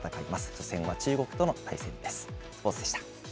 初戦は中国との対戦です。